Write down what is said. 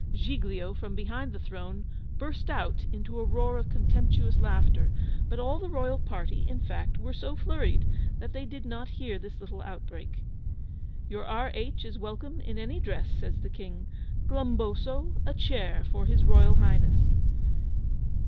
Giglio, from behind the throne, burst out into a roar of contemptuous laughter; but all the Royal party, in fact, were so flurried, that they did not hear this little outbreak. "Your R. H. is welcome in any dress," says the King. "Glumboso, a chair for his Royal Highness."